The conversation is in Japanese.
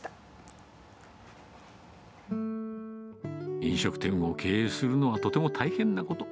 飲食店を経営するのはとても大変なこと。